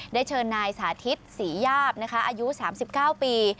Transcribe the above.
ได้เชิญนายสาธิตศรียาบอายุ๓๙ปี